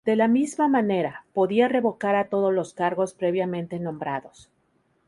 De la misma manera, podía revocar a todos los cargos previamente nombrados.